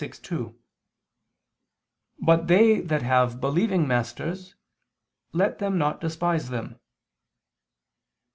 6:2): "But they that have believing masters, let them not despise them."